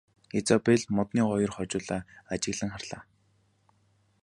Изабель модны хоёр хожуулаа ажиглан харлаа.